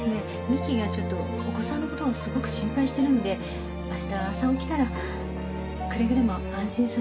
美樹がちょっとお子さんのことをすごく心配してるのであした朝起きたらくれぐれも安心させてあげてください。